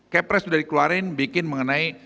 caprest sudah dikeluarkan bikin mengenai